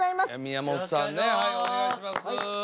宮本さんねはいお願いします。